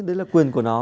đấy là quyền của nó